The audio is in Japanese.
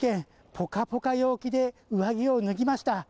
ポカポカ陽気で上着を脱ぎました。